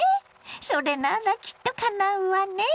それならきっとかなうわね。